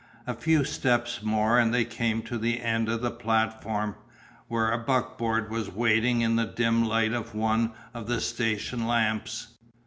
A few steps more and they came to the end of the platform, where a buckboard was waiting in the dim light of one of the station lamps.